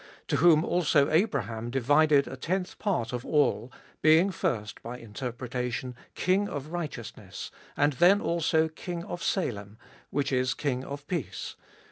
To whom also Abraham divided a tenth part of all (being first, by inter pretation, King of righteousness, and then also King of Salem, which is, King of peace ; 3.